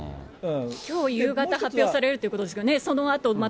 きょう夕方発表されるということですよね。